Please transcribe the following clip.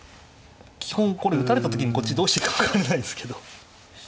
基本これ打たれた時にこっちどうしていいか分からないですけど。